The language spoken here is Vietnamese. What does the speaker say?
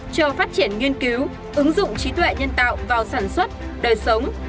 cho phát triển nghiên cứu ứng dụng trí tuệ nhân tạo vào sản xuất đời sống